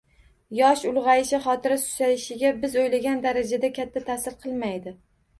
Yosh ulg‘ayishi xotira susayishiga biz o‘ylagan darajada katta ta’sir qilmaydi.